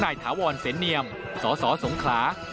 นายถาวรเซนเนียมสสสงคลา